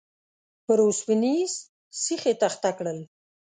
پر اوسپنيز سيخ يې تخته کړل.